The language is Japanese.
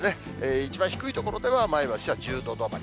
一番低い所では、前橋は１０度止まり。